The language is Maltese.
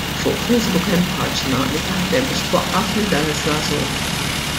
Fuq Facebook hemm paġna li taħdem biex twaqqaf lil dan iż-żagħżugħ.